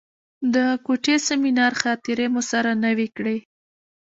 د کوټې سیمینار خاطرې مو سره نوې کړې.